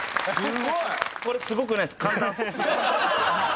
これすごくないっす。